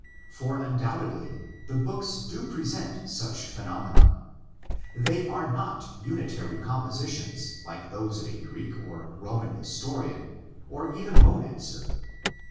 For undoubtedly the books do present such phenomena. They are not unitary compositions like those of a Greek or Roman historian, or even romancer.